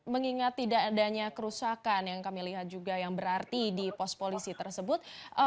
mengingat tidak adanya kerusakan yang kami lihat juga yang berarti di pos polisi tersebut